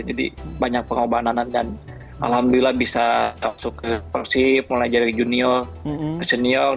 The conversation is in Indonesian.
jadi banyak pengobanan dan alhamdulillah bisa masuk ke persib mulai dari junior ke senior